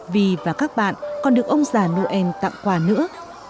vi và các bạn còn được ông già noel tặng quà nữa